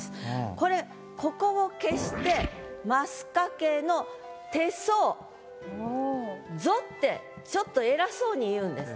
これここを消して「ますかけの手相ぞ」ってちょっと偉そうに言うんです。